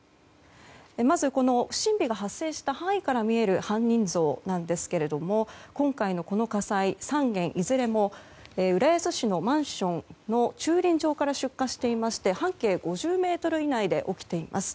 まず、不審火が発生した範囲から見える犯人像なんですが今回のこの火災、３件いずれも浦安市のマンションの駐輪場から出火していまして半径５０ｍ以内で起きています。